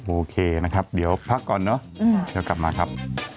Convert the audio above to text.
โอเคนะครับเดี๋ยวพักก่อนเนอะเดี๋ยวกลับมาครับ